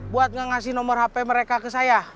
buat ngasih nomor hp mereka ke saya